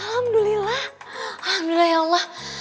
alhamdulillah alhamdulillah ya allah